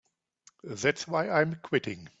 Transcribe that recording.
That's why I'm quitting.